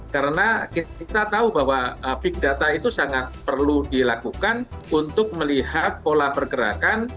karena kita tahu bahwa big data itu sangat perlu dilakukan untuk melihat pola pergerakan